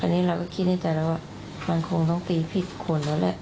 อันนี้เราก็คิดในใจแล้วว่ามันคงต้องตีผิดคนแล้วแหละ